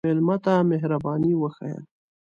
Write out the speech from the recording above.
مېلمه ته مهرباني وښیه.